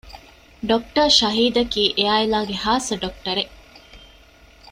ޑޮކްޓަރ ޝަހީދަކީ އެޢާއިލާގެ ޚާއްޞަ ޑޮކްޓަރެއް